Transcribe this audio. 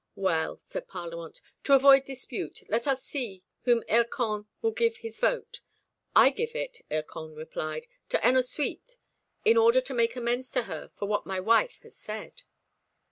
"Well," said Parlamente, "to avoid dispute, let us see to whom Hircan will give his vote." "I give it," Hircan replied, "to Ennasuite, in order to make amends to her for what my wife has said."